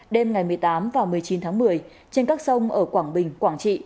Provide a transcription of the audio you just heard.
đêm ngày một mươi tám và một mươi chín tháng một mươi trên các sông ở quảng bình quảng trị